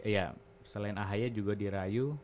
ya selain ahy juga dirayu